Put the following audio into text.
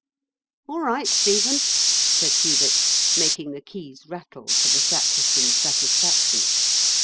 *' All right, Stephen," said Hubert, making the keys rattle for the sacristan's satisfaction.